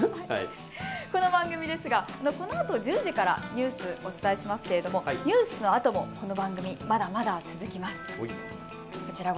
この番組ですがこのあと１０時からニュース、お伝えしますけれどもニュースのあともこの番組、まだまだ続きます。